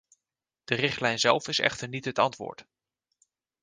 De richtlijn zelf is echter niet het antwoord.